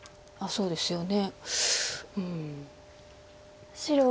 そうですね。